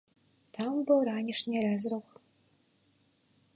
Там быў ранішні рэзрух.